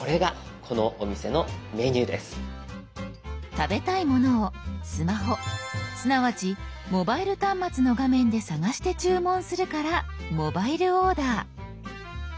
食べたいものをスマホすなわちモバイル端末の画面で探して注文するから「モバイルオーダー」。